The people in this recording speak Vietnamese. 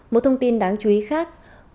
một thông tin đáng chú ý khác